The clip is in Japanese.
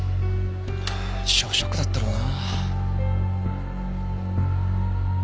師匠ショックだったろうな。